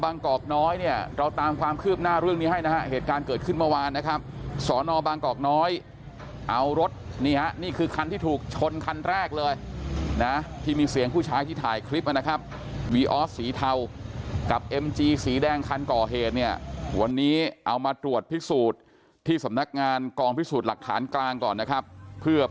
กอกน้อยเนี่ยเราตามความคืบหน้าเรื่องนี้ให้นะฮะเหตุการณ์เกิดขึ้นเมื่อวานนะครับสอนอบางกอกน้อยเอารถนี่ฮะนี่คือคันที่ถูกชนคันแรกเลยนะที่มีเสียงผู้ชายที่ถ่ายคลิปนะครับวีออสสีเทากับเอ็มจีสีแดงคันก่อเหตุเนี่ยวันนี้เอามาตรวจพิสูจน์ที่สำนักงานกองพิสูจน์หลักฐานกลางก่อนนะครับเพื่อ